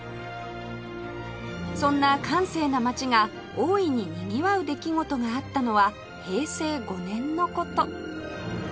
そんな閑静な街が大いににぎわう出来事があったのは平成５年の事